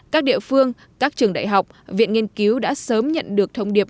các địa phương các trường đại học viện nghiên cứu đã sớm nhận được thông điệp